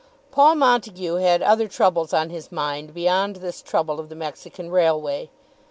Paul Montague had other troubles on his mind beyond this trouble of the Mexican Railway.